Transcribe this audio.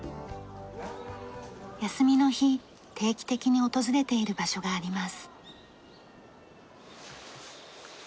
休みの日定期的に訪れている場所があります。